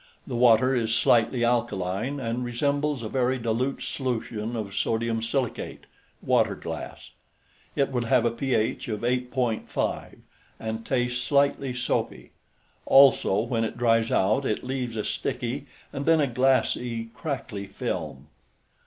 The water is slightly alkaline and resembles a very dilute solution of sodium silicate (water glass). It would have a pH of 8.5 and tastes slightly soapy. Also, when it dries out it leaves a sticky, and then a glassy, crackly film.